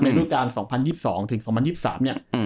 รูปการณ์๒๐๒๒ถึง๒๐๒๓เนี่ย